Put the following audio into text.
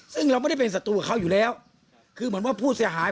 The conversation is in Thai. ซึ่งเราไม่ได้เป็นศัตรูกับเขาอยู่แล้วคือเหมือนว่าผู้เสียหาย